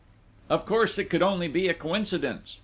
Of course, it could only be a coincidence